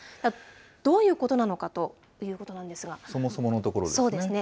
どういうことなのかということなそもそものところですね。